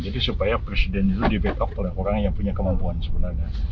jadi supaya presiden itu dibetak oleh orang yang punya kemampuan sebenarnya